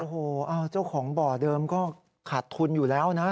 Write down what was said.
โอ้โหเจ้าของบ่อเดิมก็ขาดทุนอยู่แล้วนะ